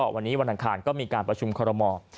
วันนี้วันทางขาลก็มีการประชุมคอลโลมอร์